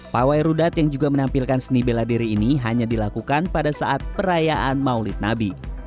pawai rudat yang juga menampilkan seni bela diri ini hanya dilakukan pada saat perayaan maulid nabi